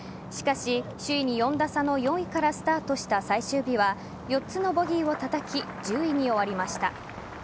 しかし、首位に４打差の４位からスタートした最終日は４つのボギーをたたき１０位に終わりました。